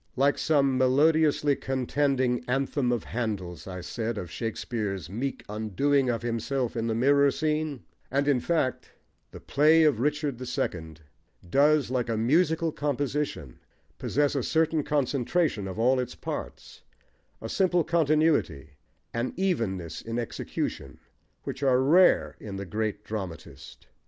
Like some melodiously contending anthem of Handle's, I said, of Richard's meek "undoing" of himself in the mirror scene; and, in fact, the play of Richard the Second does, like a musical composition, possess a certain concentration of all its parts, a simple continuity, an evenness in execution, which are rare in the great dramatist.